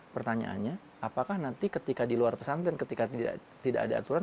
pertanyaannya apakah nanti ketika di luar pesantren ketika tidak ada aturan